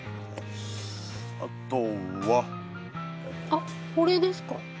あこれですか？